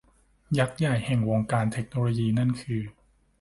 ยักษ์ใหญ่แห่งวงการเทคโนโลยีนั่นคือ